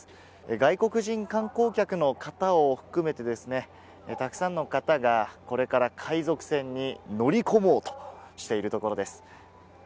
外国人観光客の方を含めてですね、たくさんの方がこれから海賊船に乗り込もうとしているところです。